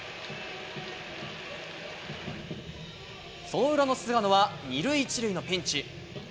その裏の菅野は２塁１塁のピンチ。